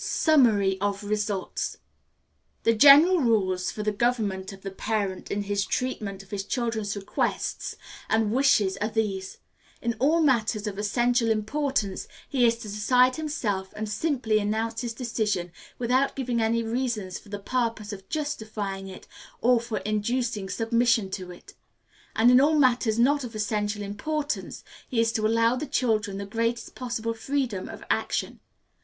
Summary of Results. The general rules for the government of the parent in his treatment of his children's requests and wishes are these: In all matters of essential importance he is to decide himself and simply announce his decision, without giving any reasons for the purpose of justifying it, or for inducing submission to it. And in all matters not of essential importance he is to allow the children the greatest possible freedom of action.